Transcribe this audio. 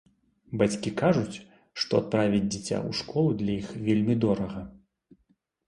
Бацькі кажуць, што адправіць дзіця ў школу для іх вельмі дорага.